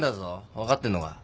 分かってんのか？